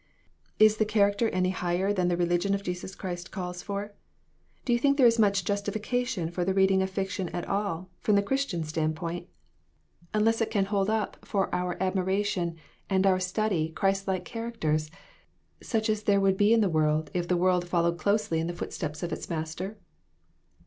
"Is the character any higher than the religion of Jesus Christ calls for? Do you think there is much justification for the reading of fiction at all, from the Christian standpoint, unless it can hold CHARACTER STUDIES. 221 up for our admiration and our study Christ like characters, such as there would be in the world if the world followed closely in the footsteps of its Master